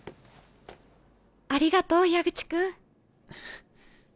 ありがとう矢口君。